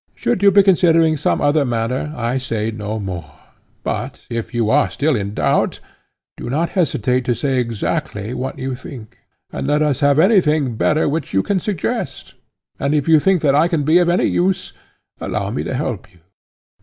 Should you be considering some other matter I say no more, but if you are still in doubt do not hesitate to say exactly what you think, and let us have anything better which you can suggest; and if you think that I can be of any use, allow me to help you.